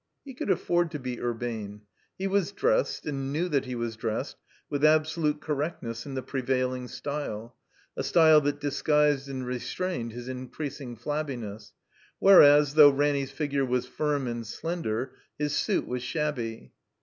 He cx)uld afford to be ttrbane. He was dressed, and knew that he was dressed, with absolute correctness in the prevailing style, a style that dis guised and restrained his increasing flabbiness, where* as, though Ranny*s figure was firm and slender, his suit was shabby.